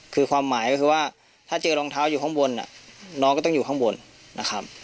คือความหมายก็คือว่าถ้าเจอรองเท้าอยู่ข้างบนน้องก็ต้องอยู่ข้างบนนะครับ